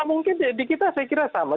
mungkin di kita saya kira sama